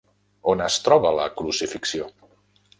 On es troba la Crucifixió?